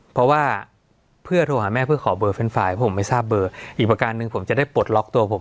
เพราะว่าเพื่อโทรหาแม่เพื่อขอเบอร์แฟนเพราะผมไม่ทราบเบอร์อีกประการหนึ่งผมจะได้ปลดล็อกตัวผม